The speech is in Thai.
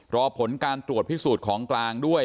รอผลการตรวจพิสูจน์ของกลางด้วย